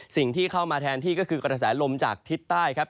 สิ่งที่เข้ามาแทนที่ก็คือกระแสลมจากทิศใต้ครับ